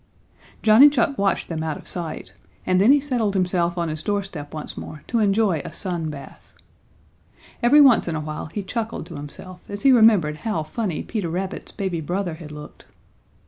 Johnny Chuck watched them out of sight, and then he settled himself on his doorstep once more to enjoy a sun bath. Every once in a while he chuckled to himself as he remembered how funny Peter Rabbit's baby brother had looked.